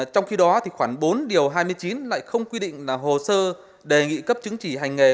trong khi đó khoảng bốn điều hai mươi chín lại không quy định là hồ sơ đề nghị cấp chứng chỉ hành nghề